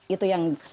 itu yang susah banget